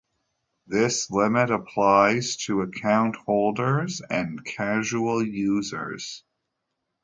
This limit applies to account holders and casual users.